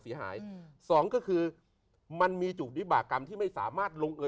สองก็คือมันมีจุบบิบากรรมที่ไม่สามารถลงเออ